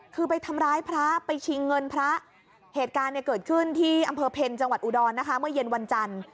คือไปทำร้ายพระไปชิงเงินพระเหตุการณ์เนี่ยเกิดขึ้นที่อำเภอเพ็ญจังหวัดอุดรนะคะเมื่อเย็นวันจันทร์